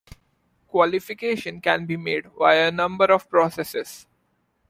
Qualification can be made via a number of processes.